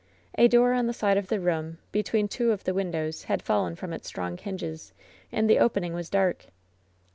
A door on the side of the room, between two of the windows, had fallen from its strong hinges^ and the opening was dark.